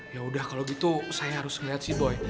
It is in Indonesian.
yaudah kalau gitu saya harus ngeliat si boy